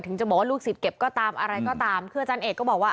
จะบอกว่าลูกศิษย์เก็บก็ตามอะไรก็ตามคืออาจารย์เอกก็บอกว่า